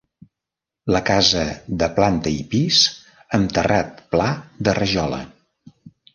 La casa de planta i pis amb terrat pla de rajola.